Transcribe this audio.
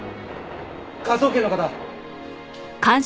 科捜研の方！